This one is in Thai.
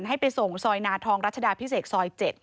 ให้ไปส่งซอยนาทองรัชดาพิเศษซอย๗